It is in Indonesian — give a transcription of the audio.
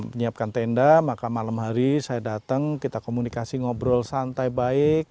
menyiapkan tenda maka malam hari saya datang kita komunikasi ngobrol santai baik